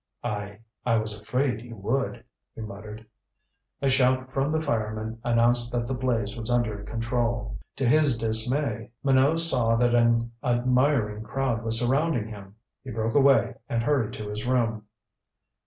"I I was afraid you would," he muttered. A shout from the firemen announced that the blaze was under control. To his dismay, Minot saw that an admiring crowd was surrounding him. He broke away and hurried to his room.